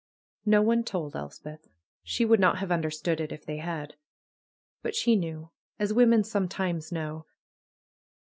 No one told Elspeth. She would not have understood it if they had. But she knew, as Avomen sometimes know.